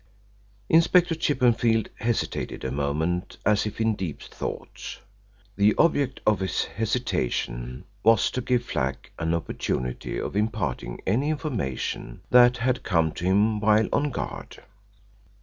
Inspector Chippenfield hesitated a moment as if in deep thought. The object of his hesitation was to give Flack an opportunity of imparting any information that had come to him while on guard.